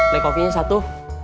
beli kopinya satu